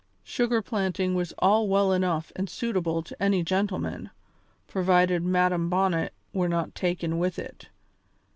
Sugar planting was all well enough and suitable to any gentleman, provided Madam Bonnet were not taken with it.